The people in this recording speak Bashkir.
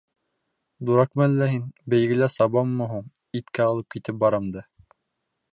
— Дуракмы әллә һин, бәйгелә сабаммы һуң, иткә алып китеп барам да.